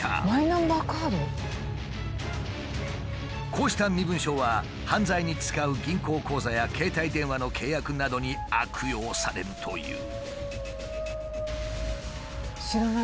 こうした身分証は犯罪に使う銀行口座や携帯電話の契約などに悪用されるという。